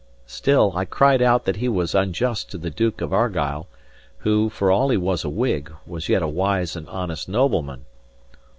Still, I cried out that he was unjust to the Duke of Argyle, who (for all he was a Whig) was yet a wise and honest nobleman.